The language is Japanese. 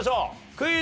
クイズ。